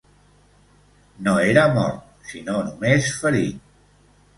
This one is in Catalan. No era mort, sinó només ferit.